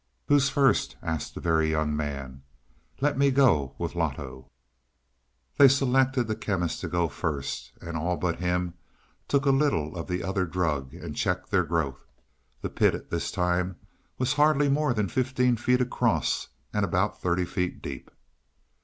"Who's first?" asked the Very Young Man. "Let me go with Loto." They selected the Chemist to go first, and all but him took a little of the other drug and checked their growth. The pit at this time was hardly more than fifteen feet across and about thirty feet deep.